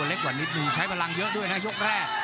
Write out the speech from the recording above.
แล้วยกแรก